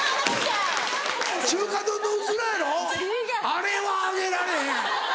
あれはあげられへん。